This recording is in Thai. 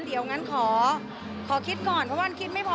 เดี๋ยวงั้นขอคิดก่อนเพราะมันคิดไม่พอ